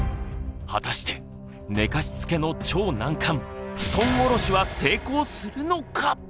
果たして寝かしつけの超難関布団下ろしは成功するのか。